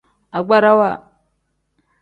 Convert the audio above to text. Agbarawa.